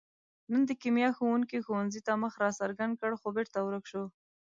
نن د کیمیا ښوونګي ښوونځي ته مخ را څرګند کړ، خو بېرته ورک شو.